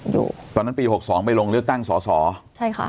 อยู่ตอนนั้นปีหกสองไปลงเลือกตั้งสต